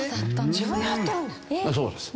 自分で貼ってあるんですか？